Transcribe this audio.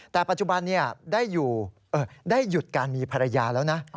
แต่ปัจจุบันนี้ได้หยุดการมีภรรยาแล้วนะ